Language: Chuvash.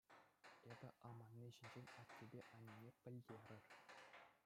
Эпӗ аманни ҫинчен аттепе аннене пӗлтерӗр.